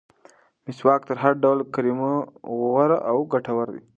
مسواک تر هر ډول کریمو غوره او ګټور دی.